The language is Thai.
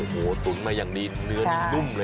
โอ้โหตุ๋นมาอย่างดีเนื้อนี่นุ่มเลย